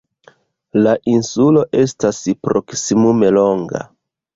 La insulo estas proksimume longa.